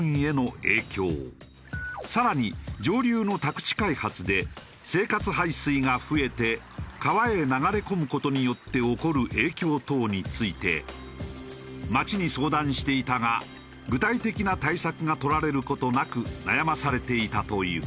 更に上流の宅地開発で生活排水が増えて川へ流れ込む事によって起こる影響等について町に相談していたが具体的な対策が取られる事なく悩まされていたという。